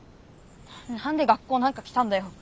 何で学校なんか来たんだよ。